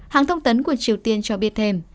hãng thông tấn của triều tiên cho biết thêm